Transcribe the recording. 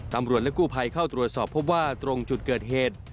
ตำรวจและกู้ภัยเข้าตรวจสอบพบว่าตรงจุดเกิดเหตุ